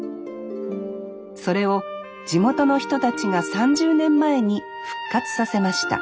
それを地元の人たちが３０年前に復活させました